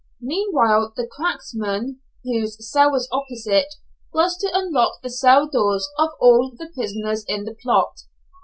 Meanwhile the "cracksman," whose cell was opposite, was to unlock the cell doors of all the prisoners in the plot.